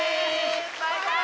バイバーイ！